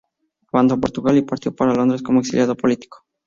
Abandonó Portugal y partió para Londres como exiliado político.